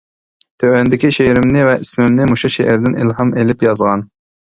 تۆۋەندىكى شېئىرىمنى ۋە ئىسمىمنى مۇشۇ شېئىردىن ئىلھام ئېلىپ يازغان.